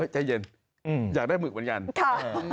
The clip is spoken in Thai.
ใจเย็นอยากได้หมึกเหมือนกันค่ะ